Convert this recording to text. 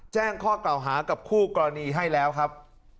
แจ้งข้อเก่าหากับคู่กรณีให้แล้วครับ